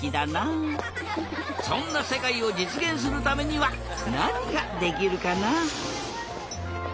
そんなせかいをじつげんするためにはなにができるかな？